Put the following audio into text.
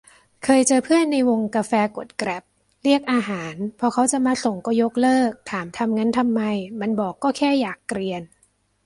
เคยเจอเพื่อนในวงกาแฟกดแกร็ปเรียกอาหารพอเค้าจะมาส่งก็ยกเลิก ถามทำงั้นทำไม มันบอกก็แค่อยากเกรียน